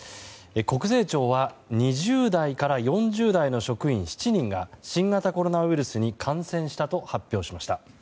国税庁は２０代から４０代の職員７人が新型コロナウイルスに感染したと発表しました。